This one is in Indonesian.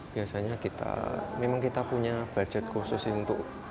biasanya kita memang kita punya budget khusus untuk